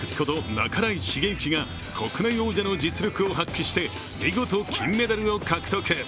半井重幸が国内王者の実力を発揮して見事金メダルを獲得。